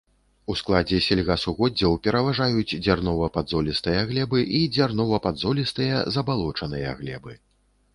У складзе сельгасугоддзяў пераважаюць дзярнова-падзолістыя глебы і дзярнова-падзолістыя забалочаныя глебы.